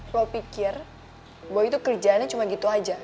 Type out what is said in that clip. lo pikir boy itu kerjaannya cuma gitu aja